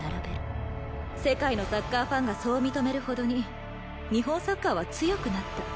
世界のサッカーファンがそう認めるほどに日本サッカーは強くなった。